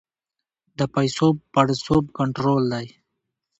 د پیسو پړسوب کنټرول دی؟